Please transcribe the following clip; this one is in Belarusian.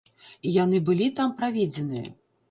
І яны былі там праведзеныя.